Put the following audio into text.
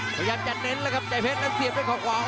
พยายามจะเน้นแล้วครับใจเพชรนั้นเสียบด้วยเขาขวา